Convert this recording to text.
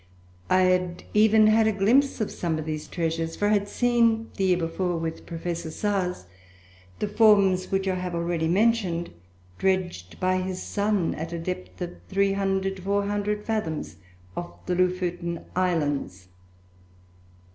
I had even had a glimpse of some of these treasures, for I had seen, the year before, with Prof. Sars, the forms which I have already mentioned dredged by his son at a depth of 300 to 400 fathoms off the Loffoten Islands.